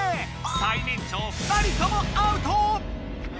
最年長２人ともＯＵＴ！